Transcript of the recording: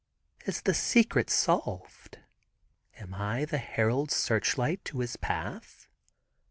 Is the secret solved? Am I the herald searchlight to His path?